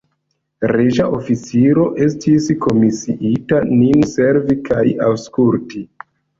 Reĝa oficiro estis komisiita nin servi kaj aŭskulti.